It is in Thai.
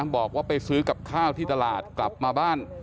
บอกว่าไปซื้อกับข้าวที่ตลาดกลับมาบ้าน